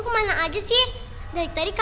masa sih pertek